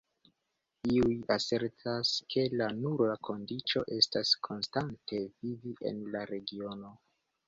Iuj asertas ke la nura kondiĉo estas konstante vivi en la regiono.